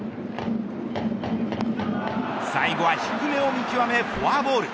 最後は低めを見極めフォアボール。